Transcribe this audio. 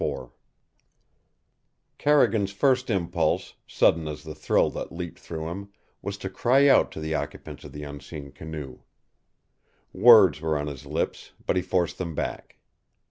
IV Carrigan's first impulse, sudden as the thrill that leaped through him, was to cry out to the occupants of the unseen canoe. Words were on his lips, but he forced them back.